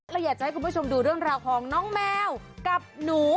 เราอยากจะให้คุณผู้ชมดูเรื่องราวของน้องแมวกับหนู